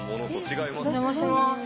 お邪魔します。